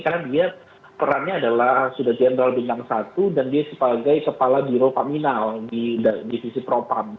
karena dia perannya adalah sudah general bintang satu dan dia sebagai kepala biro komunal di divisi propam